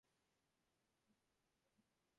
ওরা আমার বোন কিনা– অক্ষয়।